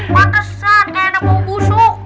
pantesan enak bau busuk